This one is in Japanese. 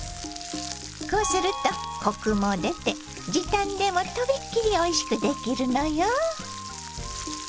こうするとコクも出て時短でも飛びっ切りおいしくできるのよ。